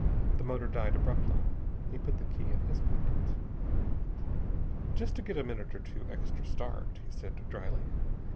The motor died abruptly. He put the key in his pocket. "Just to get a minute or two extra start," he said dryly.